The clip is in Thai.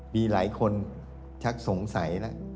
มีหลายคนชักสงสัยแล้ว